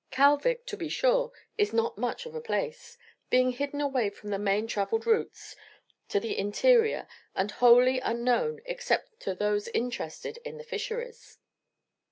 Kalvik, to be sure, is not much of a place, being hidden away from the main travelled routes to the interior and wholly unknown except to those interested in the fisheries.